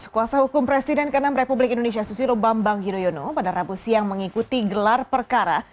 kuasa hukum presiden ke enam republik indonesia susilo bambang yudhoyono pada rabu siang mengikuti gelar perkara